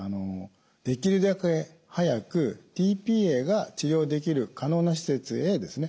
できるだけ早くｔ−ＰＡが治療できる可能な施設へですね